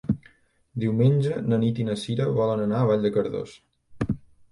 Diumenge na Nit i na Sira volen anar a Vall de Cardós.